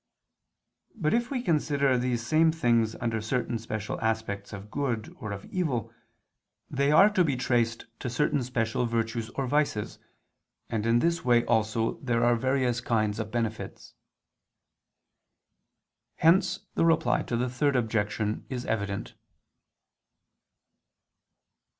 But if we consider these same things under certain special aspects of good or of evil, they are to be traced to certain special virtues or vices, and in this way also there are various kinds of benefits. Hence the Reply to the Third Objection is evident.